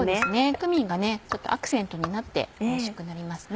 クミンがちょっとアクセントになっておいしくなりますね。